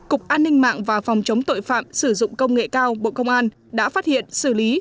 cục an ninh mạng và phòng chống tội phạm sử dụng công nghệ cao bộ công an đã phát hiện xử lý